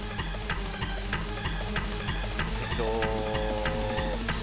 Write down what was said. えっと。